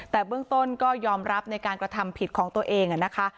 แต่เบื้องต้นก็ยอมรับในการกระทำผิดของตัวเองนะคะ